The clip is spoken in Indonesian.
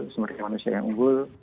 sumber daya manusia yang unggul